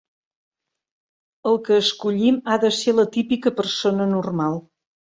El que escollim ha de ser la típica persona normal.